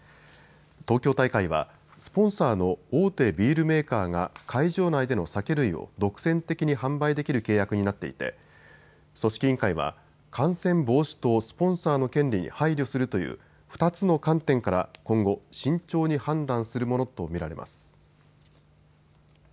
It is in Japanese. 東京大会はスポンサーの大手ビールメーカーが会場内での酒類を独占的に販売できる契約になっていて組織委員会は、感染防止とスポンサーの権利に配慮するという２つの観点から今後、慎重に判断するものと見られます。